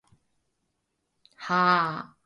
ｄｖｆ